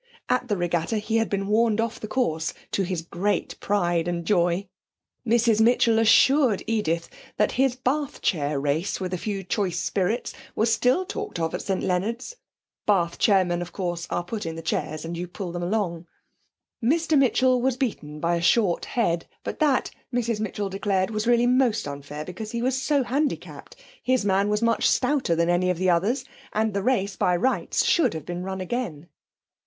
At the regatta he had been warned off the course, to his great pride and joy. Mrs Mitchell assured Edith that his bath chair race with a few choice spirits was still talked of at St Leonard's (bath chairmen, of course, are put in the chairs, and you pull them along). Mr Mitchell was beaten by a short head, but that, Mrs Mitchell declared, was really most unfair, because he was so handicapped his man was much stouter than any of the others and the race, by rights, should have been run again.